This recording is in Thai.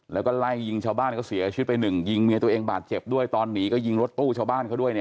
แล้วก็ไล่ยิงชาวบ้านเขาเสียชีวิตไปหนึ่งยิงเมียตัวเองบาดเจ็บด้วยตอนหนีก็ยิงรถตู้ชาวบ้านเขาด้วยเนี่ย